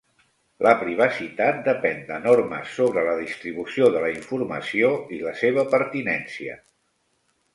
La privacitat depèn de normes sobre la distribució de la informació i la seva pertinència.